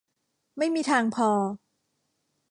ไม่มีทางพอ